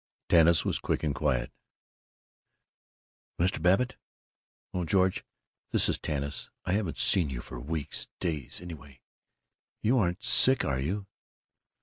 Tanis was quick and quiet: "Mr. Babbitt? Oh, George, this is Tanis. I haven't seen you for weeks days, anyway. You aren't sick, are you?"